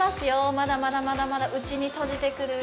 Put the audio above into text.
まだまだまだまだ内に閉じてくる